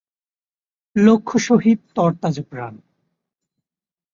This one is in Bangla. লক্ষ শহীদ তরতাজা প্রান